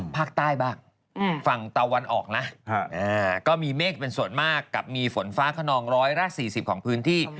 ภาคใต้บ้างฝั่งตะวันออกนะก็มีเมฆเป็นส่วนมากกับมีฝนฟ้าขนองร้อยละ๔๐ของพื้นที่